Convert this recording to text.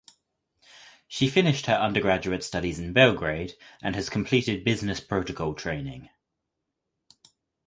She finished her undergraduate studies in Belgrade and has completed business protocol training.